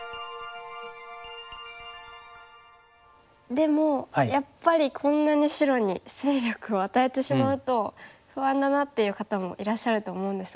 でもやっぱりこんなに白に勢力を与えてしまうと不安だなっていう方もいらっしゃると思うんですが。